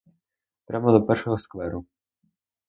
Прямо до першого скверу.